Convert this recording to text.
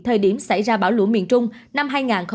thời điểm xảy ra bão lũ miền trung năm hai nghìn hai mươi